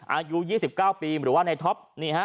อายุ๒๙ปีหรือว่าในท็อป